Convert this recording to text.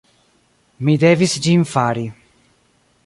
Mi devis ĝin fari.